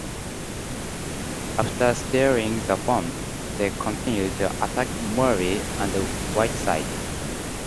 After stealing the phone they continued to attack Morley and Whiteside.